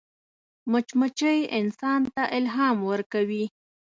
مچمچۍ انسان ته الهام ورکوي